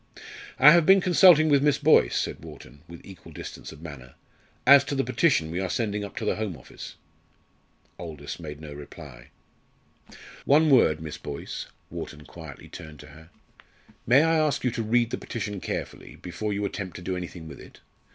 "I have been consulting with Miss Boyce," said Wharton, with equal distance of manner, "as to the petition we are sending up to the Home Office." Aldous made no reply. "One word, Miss Boyce," Wharton quietly turned to her. "May I ask you to read the petition carefully, before you attempt to do anything with it?